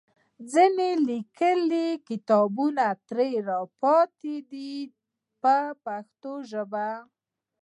ځینې لیکلي کتابونه ترې راپاتې دي په پښتو ژبه.